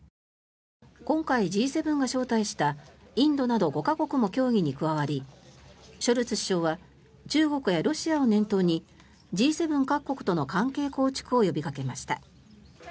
今回、Ｇ７が招待したインドなど５か国も協議に加わりショルツ首相は中国やロシアを念頭にＧ７各国との関係構築を呼びかけました。